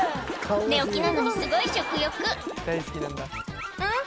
寝起きなのにすごい食欲ん？